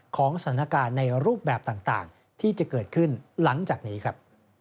สถานการณ์ในรูปแบบต่างที่จะเกิดขึ้นหลังจากนี้ครับ